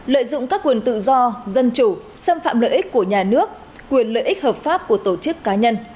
lợi dụng các quyền tự do dân chủ xâm phạm lợi ích của nhà nước quyền lợi ích hợp pháp của tổ chức cá nhân